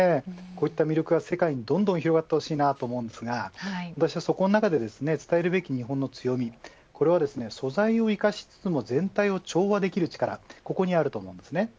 こういって魅力が世界にどんどん広がってほしいと思いますが私はこの中で伝えるべき日本の強みは素材を生かしつつ全体を調和できる力にあると思います。